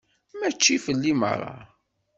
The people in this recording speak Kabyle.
Mačči fell-i merra.